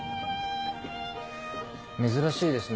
珍しいですね